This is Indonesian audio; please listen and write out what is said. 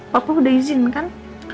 papa udah izinkan